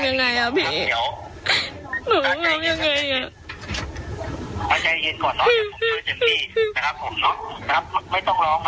ผมต้องทำยังไงอ่ะพี่ผมต้องทำยังไงอ่ะ